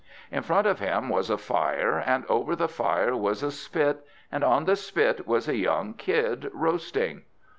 In front of him was a fire, and over the fire was a spit, and on the spit was a young kid roasting.